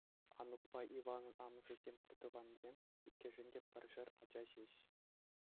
Анукпа Иванӑн амӑшӗсем — пӗртӑвансем, иккӗшӗн те пӗршер ача ҫеҫ.